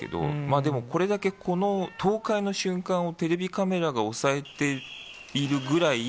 でも、これだけこの倒壊の瞬間をテレビカメラが押さえているぐらい。